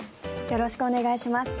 よろしくお願いします。